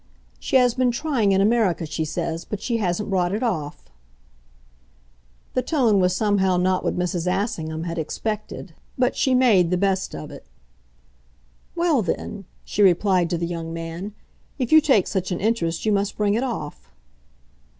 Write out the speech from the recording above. "She has been trying in America, she says, but hasn't brought it off." The tone was somehow not what Mrs. Assingham had expected, but she made the best of it. "Well then," she replied to the young man, "if you take such an interest you must bring it off."